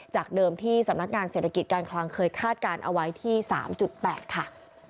จากเดิมที่สำนักงานเศรษฐกิจการคลังเคยคาดการณ์เอาไว้ที่๓๘ค่ะ